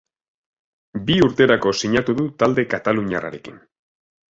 Bi urterako sinatu du talde kataluniarrarekin.